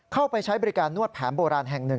เข้าไปใช้บริการนวดแผนโบราณแห่งหนึ่ง